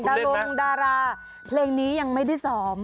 คุณเล่นไหมดาราเพลงนี้ยังไม่ได้ซ้อม